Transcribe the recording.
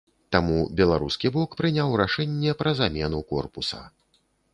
Таму беларускі бок прыняў рашэнне пра замену корпуса.